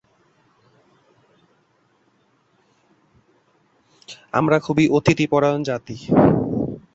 সপ্তম শ্রেণী পর্যন্ত স্টুয়ার্ট স্কুলে পড়াশোনা করতেন।